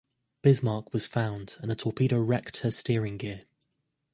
"Bismarck" was found and a torpedo wrecked her steering gear.